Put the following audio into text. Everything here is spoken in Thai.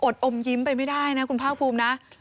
อดอมยิ้มไปไม่ได้นะคุณภาคภูมินะ